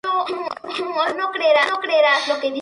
Él, al principio, se niega.